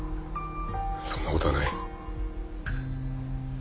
そんなことはない。